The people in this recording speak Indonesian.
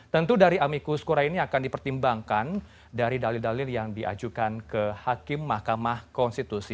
tentu dari amikus kura ini akan dipertimbangkan dari dalil dalil yang diajukan ke hakim mahkamah konstitusi